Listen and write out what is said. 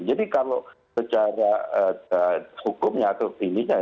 jadi kalau secara hukumnya atau pilihannya